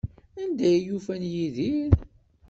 Anda ay ufan Yidir?